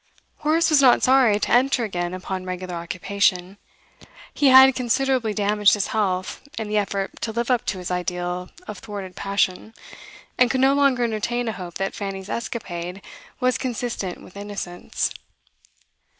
Horace was not sorry to enter again upon regular occupation. He had considerably damaged his health in the effort to live up to his ideal of thwarted passion, and could no longer entertain a hope that Fanny's escapade was consistent with innocence.